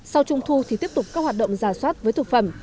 sau trung thu thì tiếp tục các hoạt động giả soát với thực phẩm